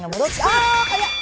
あ早い！